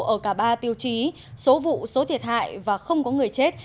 ở cả ba tiêu chí số vụ số thiệt hại và không có người chết